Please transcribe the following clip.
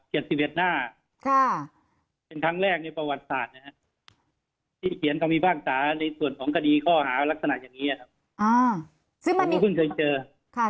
เป็นครั้งแรกในประวัติศาสตร์ที่เขียนความมีภาคศาสตร์ในส่วนของคดีข้อหารักษณะอย่างนี้ครับ